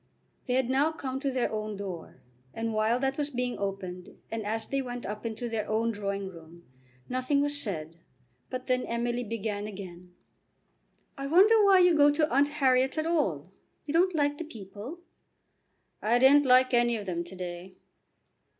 They had now come to their own door, and while that was being opened and as they went up into their own drawing room, nothing was said, but then Emily began again. "I wonder why you go to Aunt Harriet's at all. You don't like the people?" "I didn't like any of them to day."